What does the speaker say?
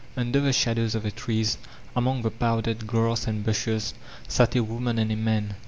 Under the shadows of the trees, among the powdered grass and bushes, sat a woman and a man.